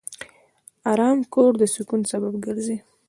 آرام کور د سکون سبب ګرځي.